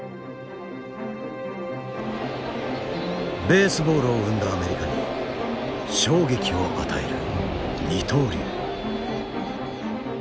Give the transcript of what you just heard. ベースボールを生んだアメリカに衝撃を与える二刀流。